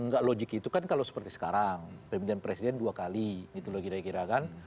nggak logik itu kan kalau seperti sekarang pemilihan presiden dua kali gitu loh kira kira kan